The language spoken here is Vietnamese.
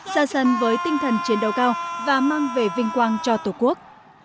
ra sân với tinh thần chiến đấu cao và mang về vinh quang cho tổ quốc